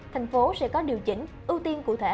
thành phố sẽ có điều chỉnh ưu tiên cụ thể